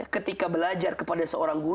ketika belajar kepada seorang guru